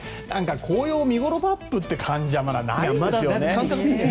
紅葉見ごろマップという感じではまだないですよね。